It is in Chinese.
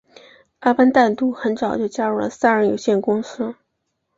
阿班旦杜很早就加入了杀人有限公司。